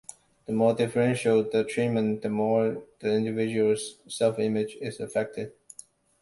The more differential the treatment, the more the individual's self-image is affected.